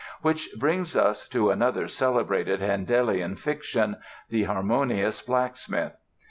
Which brings us to another celebrated Handelian fiction, "The Harmonious Blacksmith."